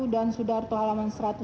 dan sudarto halaman satu ratus tiga